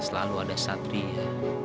selalu ada satria